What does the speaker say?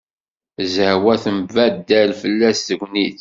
Zehwa tembaddal fell-as tegnit.